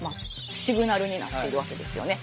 シグナルになってるわけですよね。